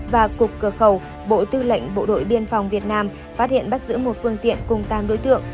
và cục cửa khẩu bộ tư lệnh bộ đội biên phòng việt nam phát hiện bắt giữ một phương tiện cùng tám đối tượng